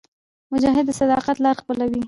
مجاهد د صداقت لاره خپلوي.